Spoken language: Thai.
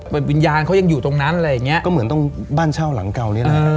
วิญญาณเขายังอยู่ตรงนั้นอะไรอย่างเงี้ยก็เหมือนต้องบ้านเช่าหลังเก่านี้แหละ